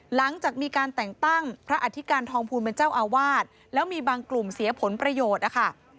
หลังจากมีการแต่งตั้งพระอธิการทองภูลเป็นเจ้าอาวาสแล้วมีบางกลุ่มเสียผลประโยชน์นะคะ